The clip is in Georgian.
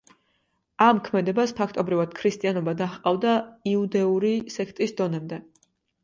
ამ ქმედებას ფაქტობრივად ქრისტიანობა დაჰყავდა იუდეური სექტის დონემდე.